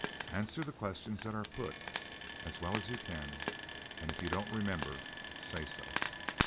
Answer the questions that are put, as well as you can, and if you don't remember, say so."